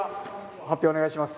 発表をお願いします。